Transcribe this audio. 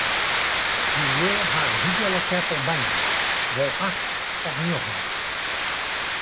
Dy lju ha in hiele keppel bern, wol acht of njoggen.